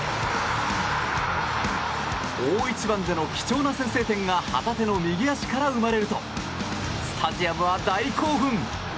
大一番での貴重な先制点が旗手の右足から生まれるとスタジアムは大興奮。